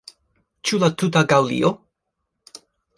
Ĉu la tuta Gaŭlio?